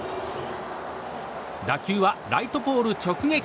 打球はライトポール直撃！